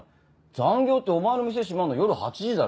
残業ってお前の店閉まるの夜８時だろ。